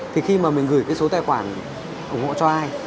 thì khi mà mình gửi cái số tài khoản ủng hộ cho ai